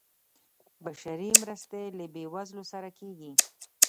بشري مرستې له بیوزلو سره کیږي